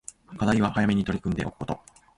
課題は早めに取り組んでおくこと